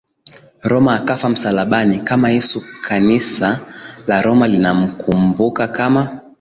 Roma akafa msalabani kama YesuKanisa la Roma linamkumbuka kama